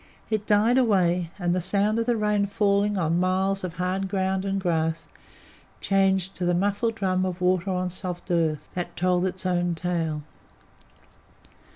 It died away, and the sound of the rain falling on miles of hard ground and grass changed to the muffled drum of water on soft earth. That told its own tale.